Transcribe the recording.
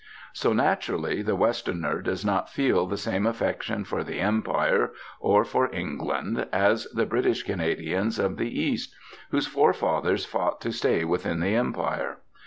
So, naturally, the Westerner does not feel the same affection for the Empire or for England as the British Canadians of the East, whose forefathers fought to stay within the Empire.